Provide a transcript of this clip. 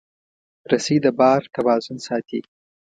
رسۍ د بار توازن ساتي.